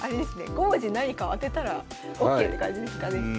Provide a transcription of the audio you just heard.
５文字何かを当てたらＯＫって感じですかね。